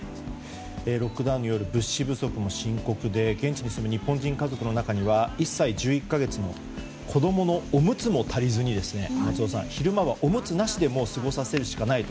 ロックダウンによる物資不足も深刻で現地に住む日本人家族の中には１歳１１か月の子供のおむつも足りずに昼間はおむつなしで過ごさせるしかない。